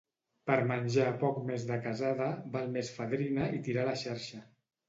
Per menjar poc de casada, val més fadrina i tirar la xarxa.